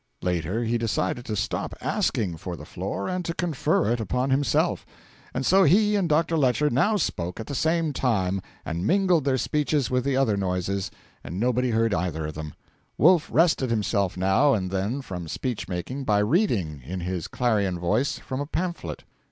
Later he decided to stop asking for the floor, and to confer it upon himself. And so he and Dr. Lecher now spoke at the same time, and mingled their speeches with the other noises, and nobody heard either of them. Wolf rested himself now and then from speech making by reading, in his clarion voice, from a pamphlet.